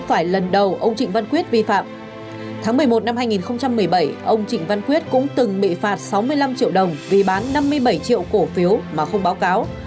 trong năm hai nghìn một mươi bảy ông trịnh văn quyết cũng từng bị phạt sáu mươi năm triệu đồng vì bán năm mươi bảy triệu cổ phiếu mà không báo cáo